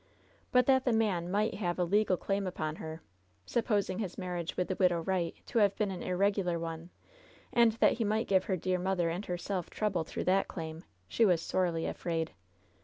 But that the man might have a legal claim upon her — supposing his mar riage with the Widow Wright to have been an irregular one — and that he might give her dear mother and herself trouble through that claim, she was sorely afraid.